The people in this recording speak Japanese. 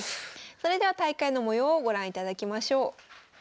それでは大会の模様をご覧いただきましょう。